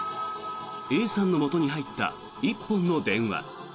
Ａさんのもとに入った１本の電話。